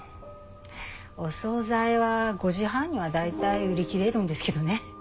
お総菜は５時半には大体売り切れるんですけどね。